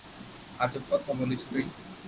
আজব কথা বলিস তুই!